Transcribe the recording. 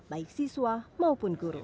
baik siswa maupun guru